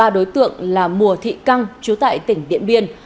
ba đối tượng là mùa thị căng chú tại tỉnh điện biên